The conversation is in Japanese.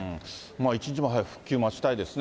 一日も早く復旧待ちたいですね。